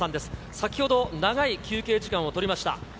先ほど、長い休憩時間をとりました。